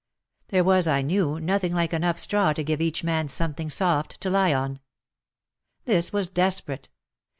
There was, I knew, nothing like enough straw to give each man something soft to lie on. This was desperate.